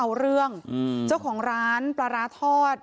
ก็เลยบอกว่าไม่เป็นไรก็ติ๊กคุกก็ได้